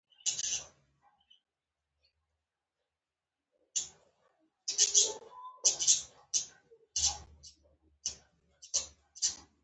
څومره عمر لري؟